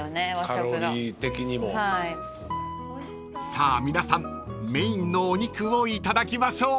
［さあ皆さんメインのお肉をいただきましょう］